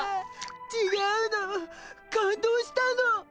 ちがうの感動したの！